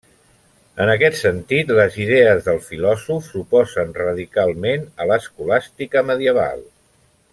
En aquest sentit, les idees del filòsof s'oposen radicalment a l'escolàstica medieval.